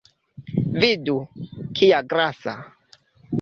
Vidu, kia grasa!